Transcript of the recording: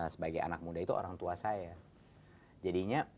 sebagai anak muda itu orang tua saya jadinya